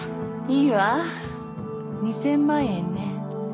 いいわ２０００万円ね。